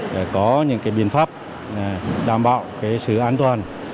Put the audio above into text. để có những biện pháp đảm bảo sự an toàn